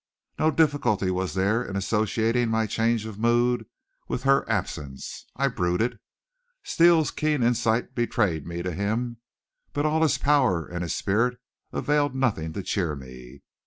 No difficulty was there in associating my change of mood with her absence. I brooded. Steele's keen insight betrayed me to him, but all his power and his spirit availed nothing to cheer me.